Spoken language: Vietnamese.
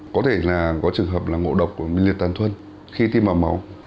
có thể là có trường hợp là ngộ độc của liệt tàn thuân khi tiêm vào máu